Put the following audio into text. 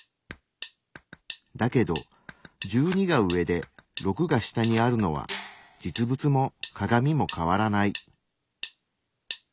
だけど１２が上で６が下にあるのは実物も鏡も変わらない。